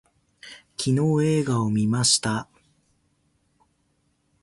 昨日映画を見ました